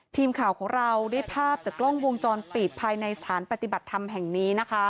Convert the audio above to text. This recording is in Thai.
ทีมข่าวของเราได้ภาพจากกล้องวงจรปิดภายในสถานปฏิบัติธรรมแห่งนี้นะคะ